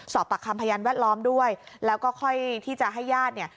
สอบปากคำพยานแวดล้อมด้วยแล้วก็ค่อยที่จะให้ญาติเนี่ย